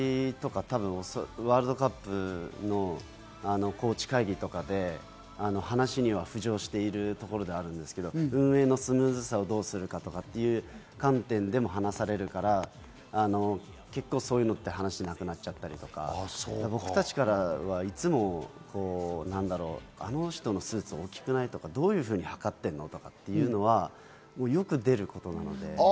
ワールドカップのコーチ会議とかで話には浮上しているところではあるんですけれど、運営のスムーズさをどうするかとかっていう観点でも話されるので、そういうのは話がなくなったり僕たちからはいつもあの人のスーツ大きくない？とかどういうふうに測っているの？とかっていうのはよく出ることです。